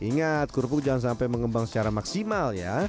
ingat kerupuk jangan sampai mengembang secara maksimal ya